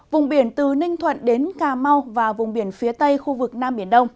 vùng biển từ ninh thuận đến cà mau và vùng biển phía tây khu vực nam biển đông